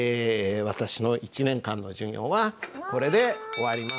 私の１年間の授業はこれで終わります。